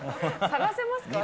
探せますか？